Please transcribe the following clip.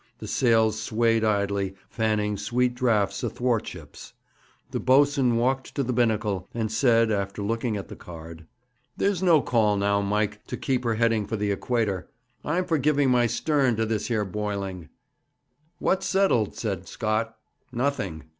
The sails swayed idly, fanning sweet draughts athwartships. The boatswain walked to the binnacle, and said, after looking at the card: 'There's no call now, Mike, to keep her heading for the Equator. I'm for giving my stern to this here boiling.' 'What's settled?' said Scott. 'Nothing.'